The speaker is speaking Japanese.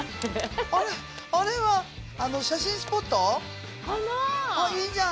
あれあれは写真スポット？かな？